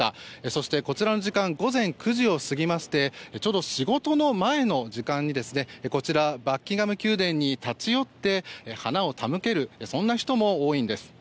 そして、こちらの時間午前９時を過ぎましてちょうど仕事の前の時間にバッキンガム宮殿に立ち寄って花を手向ける人も多いんです。